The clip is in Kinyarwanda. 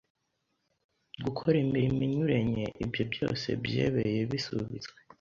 gukore imirimo inyurenye, ibyo byose byebeye bisubitswe..